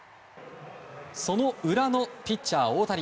その裏のピッチャー大谷。